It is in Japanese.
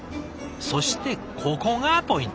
そしてここがポイント。